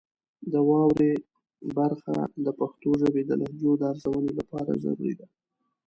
د واورئ برخه د پښتو ژبې د لهجو د ارزونې لپاره ضروري ده.